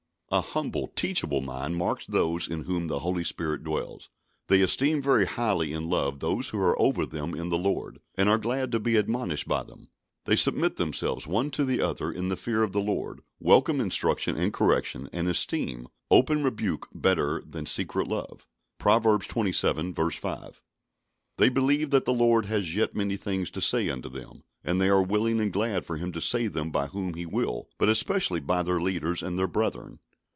A humble, teachable mind marks those in whom the Holy Spirit dwells. They esteem very highly in love those who are over them in the Lord, and are glad to be admonished by them. They submit themselves one to the other in the fear of the Lord, welcome instruction and correction, and esteem "open rebuke better than secret love" (Proverbs xxvii. 5). They believe that the Lord has yet many things to say unto them, and they are willing and glad for Him to say them by whom He will, but especially by their leaders and their brethren.